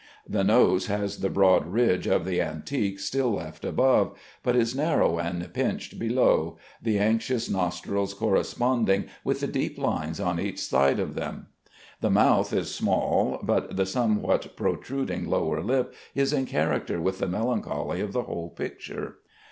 The nose has the broad ridge of the antique still left above, but is narrow and pinched below, the anxious nostrils corresponding with the deep lines on each side of them. "The mouth is small, but the somewhat protruding lower lip is in character with the melancholy of the whole picture.